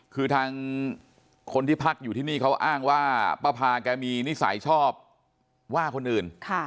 คือทางคนที่พักอยู่ที่นี่เขาอ้างว่าป้าพาแกมีนิสัยชอบว่าคนอื่น